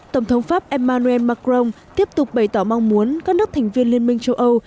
tổng thống pháp emmanuel macron tiếp tục bày tỏ mong muốn các nước thành viên liên minh châu âu